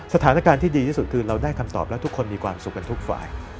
สถานการณ์ที่ดีที่สุดคือเราได้คำตอบแล้วทุกคนมีความสุขกันทุกฝ่าย